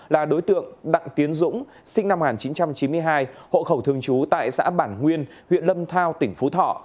là đối tượng đặng tiến dũng sinh năm một nghìn chín trăm chín mươi hai hộ khẩu thường trú tại xã bản nguyên huyện lâm thao tỉnh phú thọ